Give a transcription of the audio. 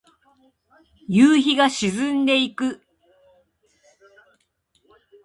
夕日が沈んでいく。